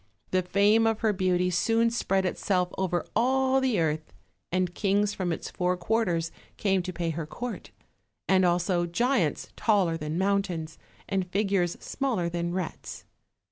The fame of her beauty soon spread itself over all the earth, and kings from its four quarters came to pay her court; as also giants taller than mountains, and figures smaller than rats.